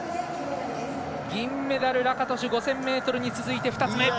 銀メダル、ラカトシュ５０００ｍに続いて２つ目。